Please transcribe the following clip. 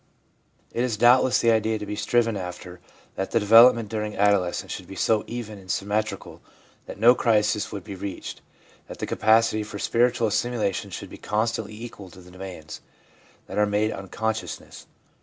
It is doubtless the ideal to be striven after that the development during adolescence should be so even and symmetrical that no crisis would be reached, that the capacity for spiritual assimilation should be constantly equal to the demands that are made on consciousness.